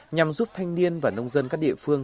nhằm giúp thanh niên và nông dân các địa phương